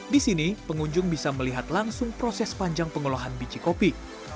di sini pengunjung bisa melihat langsung proses panjang pengolahan biji kopi